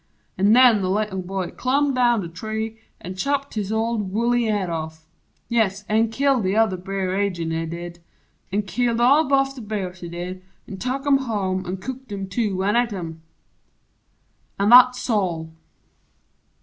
An' nen the Little Boy clumb down the tree An' chopped his old woolly head off: Yes, an' killed The other Bear ag'in, he did an' killed All boff the bears, he did an' tuk 'em home An' cooked'em, too, an' et'em! An' that's all.